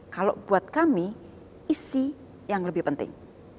kalau buat kami isi yang lebih penting